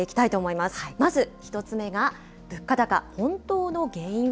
まず１つ目が、物価高、本当の原因は？